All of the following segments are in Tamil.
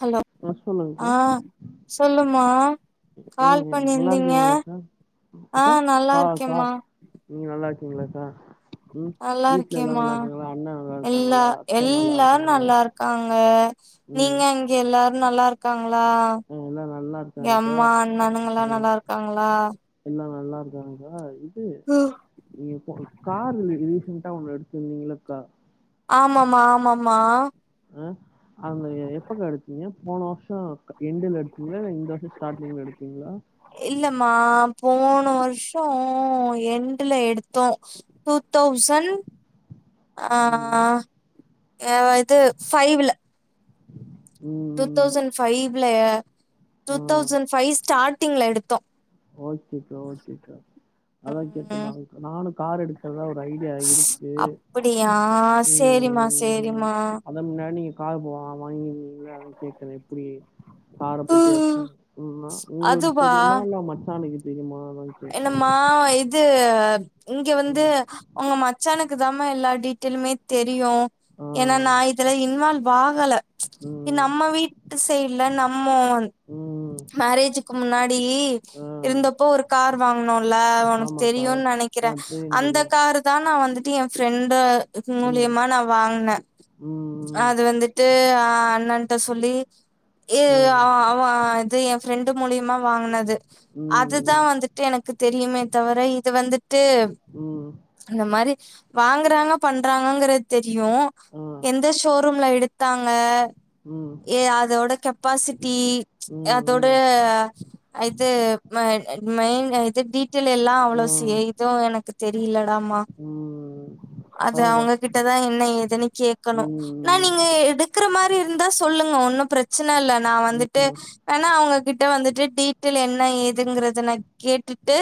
ஹலோ ஆ சொல்லுங்கக்கா ஆ சொல்லுமா கால் ம் நல்லா பண்ணியிருந்தீங்க இருக்கீங்களாக்கா ஆ அக்கா நல்லா இருக்கேமா உங்கலதா நல்லா இருக்கேமா நல்லா எல்லா இருக்காங்களா அத்தை நல்லா எல்லாரு இருக்காங்களா நல்லா இருக்காங்க ம் நீங்க அங்க எல்லாரு நல்லா இருக் கலா ஆ எல்லாம் நல்லா இங்க இருக்காங்கக்கா அம்மா அண்ணனுங்கலா நல்லா இருக்காங்களா நல்லாருக்காங்ககா யு து ம் நீ இப்போ கார் ரீசண்டா ஒண்ணு எடுத் இருந்தீங்களக்கா ஆமாமா ஆமாமா அ அவனுக்கு எப்ப கெடச்சுது போன வர்ஷோ எண்டுல எடுத்தீங்களா இல்ல இந் இந்த வருஷ ஸ்டார்ட்டிங்ல எடுத்தீங்களா இல்லமா போன வருஷோ எண்டுல எடுத்தோ டூ தௌசண்ட் ஆ ம் ஆ எவ இது பைவ்ல டூ ம் தௌசண் ஃபைவ் வில்லைய டூ ஆ தௌசண்ட் ஃபைவ் ஸ்டாட் த்திங்கள எடுத்தோ ஓகேக்கா ஓகேக்கா அதா கேட்டுதா ம் நானு கார் எடுக்கறதா ஒரு ஐடியா இருக்கு அப்படியா சேரிம்மா ம் சேரிம்மா அத முன்னாடி நீ கார் வா வாகீனிங்கள அ கேக்குறேப்பிடி கார பத்தி அச்சு உமா உங்களுக்கு தெரியுமா இல்ல ம க்கு தெரியுமா என்னமா இது இங்க வந்து ம் உங்க மச்சானுக் க்குதாமா எல்லாடீட்டெயலுமே தெரியு ஆ ஏனா நா இதல இன்வால் வாகல இ ம் நம்ம வீட்டு சைடல நம்மோ ம் மேரேஜுக்கு முன்னாடி ஆ இருந்தப்போ ஒரு கார் வாங்கனுல்ல உனக்கு ஆமாக்கா தெரியும்னு ஆ நெனைக்கிறே தெரியு அந்த தெரியு காருதா நா வந்துட் டி ஏ ஃப்ரெண்ட துக்கு ம் மூழியமா நா வாங்கனே ம் அது வந்துட்டு ஆ அண்ணன் ட்ட சொல்லி ஏ ம் ஆ அவ அவ ஏ ஃப்ரெண்டு் மூழியமா வாங்கனது ம் அதுதா வந்துட்டு எனக்கு தெரியுமே தவிர இது வந்துட்டு ம் இந்த மாரி வாங்குறாங்க பண்றாங்கங்கற தெரி யு ஆ எந்த ஷோரூம்ல எடுத் த்தாங்க ம் ஏ அதோட கெப்பாசிட்டி அதோட ம் ம் இது மெயின் என் வீட்டல எல்லாம் ஆ அவ்ளவு இதும் எனக்கு தெரியலடாம ம் அது அதாக்கா அவங்ககிட்டதான் என்ன ஏதன்னு கேக்கணும் நான் ம், நீங்க எடுக்கற மாதிரி இருந்தா சொல்லுங்க ஒன்னும் பிரச்சனை இல்ல நான் ம், வந்துட்டு ம், ஏன்னா அவங்ககிட்ட வந்துட்டு டீட்டெயில் என்ன ஏதுங்கறத ந கேட்டுட்டு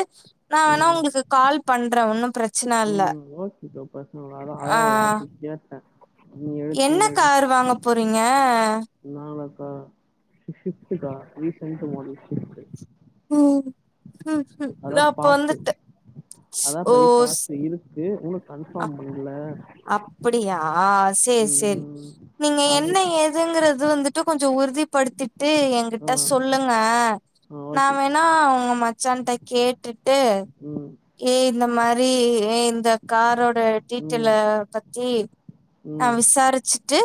நான் வேணா உங்களுக்கு கால் பண்றேன் ஒன்னும் பிரச்சனை உம் ஓகே ப்ரோ பர்சனல் ஆ தான் ஒருவார்த்தக் கேட்டேன் என்ன காரு வாங்க போறீங்க ஆ ஷிப்ட் தா ரீசன்ட் மாடல் ஷிப்ட் ம் ம் ம் அதான் அப்ப பார்த்தது வந்துட்டு ஓ ஏ உனக்கு கன்ஃபாம் பண்ணல ஆஹ் செரி செரி ம் நீங்க அது என்ன ஏதுங்கறது வந்துட்டு கொஞ்சம் உறுதி படுத்திட்டு என்கிட்ட ஆ சொல்லுங்க ஆ நான் ஓகேக்கா வேணா உங்க மா ச்சான் கேட்டுட்டு ம் ஏ இந்த மாரி இந்த காரோட டீட்டெயல ம் பத்தி ஆஹ் ம் விசாரிச்சுட்டு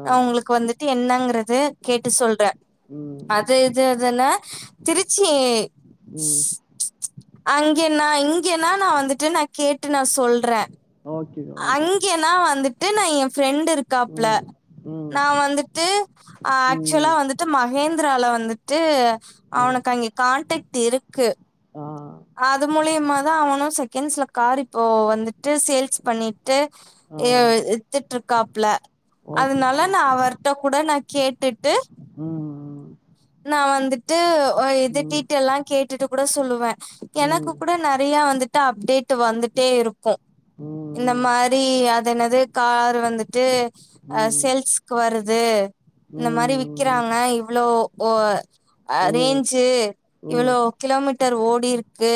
ஆ உங்களுக்கு வந்துட்டு என்னங்கறத கேட்டு சொல்றேன் ம் அது இது அதுன்னா திருச்சி ம் அங்கன்னா இங்கன்னா நான் வந்துட்டு நான் கேட்டு நான் சொல்றேன் ஓகேக்கா ஓகேக்கா அங்கன்னா வந்துட்டு நான் என் ஃப்ரெண்ட்டு இருக்காப்ல ம் ம் நான் வந்துட்டு ஆக்சுவலா ம் வந்துட்டு மகேந் துரால வந்துட்டு ட்டு ஆ அவனுக்கு அங்க கான்டக்ட் இருக்கு ஆ அது மூலியமா தான் அவனும் செகண்ட்ஸ்ல கார் இப்போ வந்துட்டு சேல்ஸ் பண்ணிட்டு ட்டு ஆ வித்துடு இருக்காப்ல ஓகேக்கா அதனால நான் ஓகேக்கா அவர் கூட நான் கேட்டுட்டு உம் நா வந்துட்டு இது ம் டீட்டேல்லா கேட்டுட்டு கூட சொல்லுவே ம் எனக்கு ம் கூட நெறையா வந்துட்டு டா அப்டேட் வந்துட்டே இருக் க்கு இந்த ம் மாரி அது என்னது காரு வந்துட்டு ம் சேல்ஸ்க்கு வருது ம் இந்த மாரி ம் விக்கிறாங்க இவ்ளோ ஓஅ அரேஞ்சு இவ்வளோ ம் கிலோமீட்டர் ஓடு டிஇருக் க்கு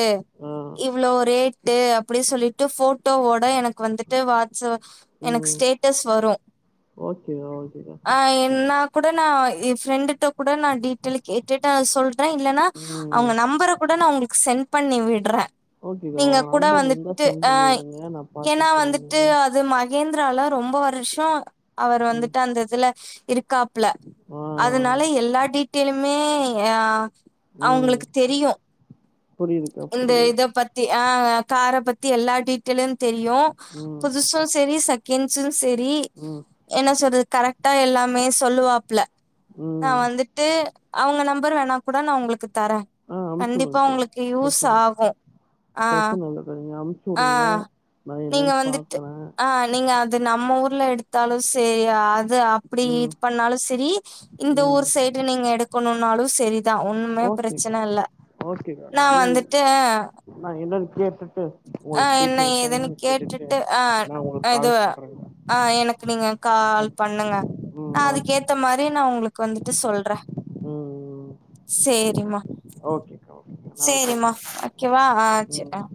ஆ இவ்ளோ ரேட் ட்டு அப்டி சொல்லிட்டு ஃபோட்டோவோட எனக்கு கு வந்துட்டு வாட்ஸ்ப் எனக்கு ம் ஸ்டேட்டஸ் வரு ஓகேக்கா ஓகேக்கா ஆ எ நா கூட நா எ ஃப்ரெண்டுட கூட நா டீடெயில் கேட்டுட்டு ஆ சொல் றே இல்லன்னா ம் அவங்க நம்பர கூட நா உங்களுக்கு சென்ட் பண்ணி விடுறே ஓகேக்கா நீங்க உங்க கூட நம்பர் இருந்தா வந்துட்டு சென்ட் ஆ பண்ணி விடுங்க நா பாத்துக்குறே நீங்க கேந்திரால ரொம்ப வருஷோ அவர் ம் வந்துட்டு அந்த இதுல இருக்காப்ல ஆ அதனால எல் டிடெயிலுமே ஆ அவ்ங்களுக்கு தெரியு புரியிதுக்கா இந்த புரியுது இத பத்தி ஆ கார பத்தி எல்லா டீட்டெயலு தெரியோ ம் புதுசு செரி சக் கென்ஸுன் சேரி ம் என்ன சொல்றது கரெக்டா எல்லாமே சொல்லுவாப்ல நா ம் வந்துட்டு அவங்க நம்பர் வேணா கூட நா உங்களுக்கு தரே ஆ அனுப்பிச்சி கண்டிப்பா விடுங்கக்கா உங்களுக்கு இ உஸ் ஆகு ஆ ஆ ஆ நீங்க வந்துட்டு பார்க்குறேன் ஆ நீங்க அது நம்ம ஊர் ல்ல எடுத்தாலு செரி யாத் ந்து அப்டி ம் இது பண்ணாலு சரி இந்த ம் ஊர் சைடு நீங்க எடுக்கணுன் நாலு சரி இத ஒண்ணு ஓகேக்கா ப்ரச்சன இல்ல ஓகேக்கா நா வந்துட்டு பேசட்டு ஆ என்ன ஏதுன் கேட்டுட்டு ஆ நா அ உங்களுக்கு இது கால் பண்றேங்கா ஆ எனக்கு நீங்க கால் அப் பண்ணுங்க நா ம் அதுக்கேத்த ஓகேக்கா மாரி நா உங்களுக்கு வந்துட்டு சொல்றே ம் சேரிம்மா ஓகேக்கா ஓகேக்கா நா சேரிமா வைக்கிறேங்கா வைக்கவா ஆ செரி ம் அ